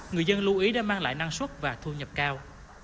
người dân lưu ý để mang lại năng suất và thu nhập cao